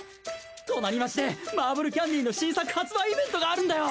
隣町でマーブル・キャンディの新作発売イベントがあるんだよ。